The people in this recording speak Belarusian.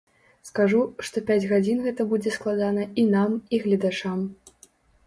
Скажу, што пяць гадзін гэта будзе складана і нам, і гледачам.